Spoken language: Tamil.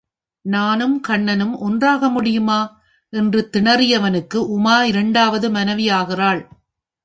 நானும் கண்ணனும் ஒன்றாக முடியுமா? என்று திணறியவனுக்கு உமா இரண்டாவது மனைவி யாகிறாள்.